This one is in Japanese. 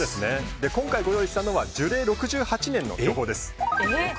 今回ご用意したのは樹齢６８年の巨峰です。